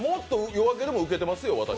「夜明け」でも受けてますよ。